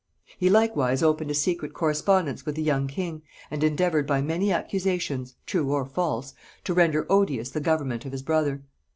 He likewise opened a secret correspondence with the young king, and endeavoured by many accusations, true or false, to render odious the government of his brother.